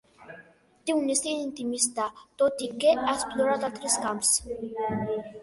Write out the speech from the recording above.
Té un estil intimista, tot i que ha explorat altres camps.